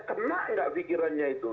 kena nggak pikirannya itu